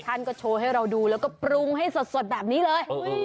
ท่านก็โชว์ให้เราดูแล้วก็ปรุงให้สดแบบนี้เลย